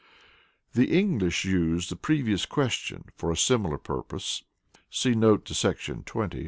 The English use the "Previous Question," for a similar purpose [see note to § 20].